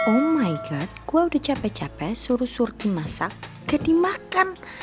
oh my god gue udah capek capek suruh surki masak gak dimakan